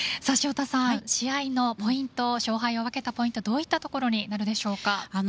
試合のポイント勝敗を分けたポイントどういったところになるでしょうか？